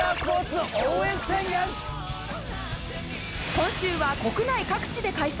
今週は国内各地で開催